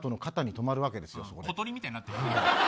小鳥みたいになってる。